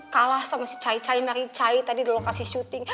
kalah sama si cai cai maricai tadi di lokasi syuting